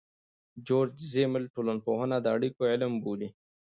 جورج زیمل ټولنپوهنه د اړیکو علم بولي.